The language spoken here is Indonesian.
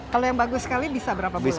kalau yang bagus sekali bisa berapa bulan